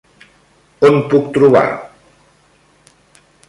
On puc trobar!?